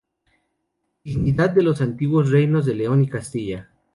Dignidad de los antiguos reinos de León y Castilla.